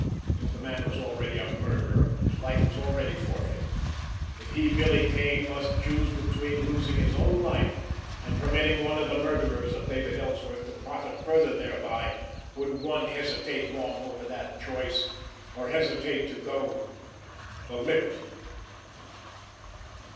If the man was already a murderer, his life was already forfeit. If he, Billy Kane, must choose between losing his own life and permitting one of the murderers of David Ellsworth to profit further thereby, would one hesitate long over that choice, or hesitate to go—the limit?